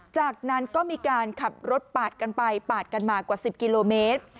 จากนั้นก็มีการขับรถปาดกันไปปาดกันมากว่า๑๐กิโลเมตร